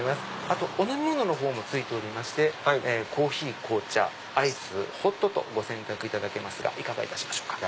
あとお飲み物のほうも付いておりましてコーヒー紅茶アイスホットとご選択いただけますがいかがいたしましょうか？